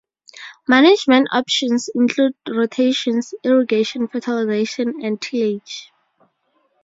Management options include rotations, irrigation, fertilization and tillage.